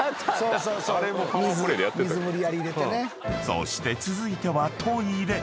［そして続いてはトイレ］